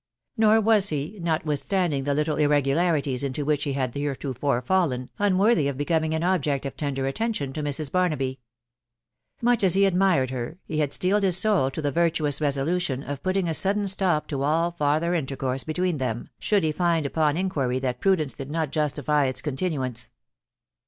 Nor was he* notwithstanding the little irregularities into which he had heretofore fallen, unworthy of becoming an object of tender attention to Mrs. Barnaby. Much as he ad mired her, he had steeled his soul to the virtuous resolution of putting a sudden stop to all farther intercourse between them, should he find upon inquiry that prudence did notjostifj isn continuance.